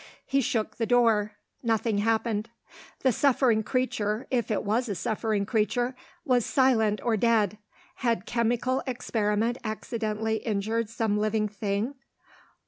He shook the door. Nothing happened. The suffering creature (if it was a suffering creature) was silent or dead. Had chemical experiment accidentally injured some living thing?